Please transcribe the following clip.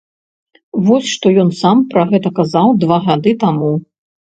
Вось што ён сам пра гэта казаў два гады таму.